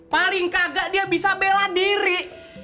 paling kagak dia bisa bela diri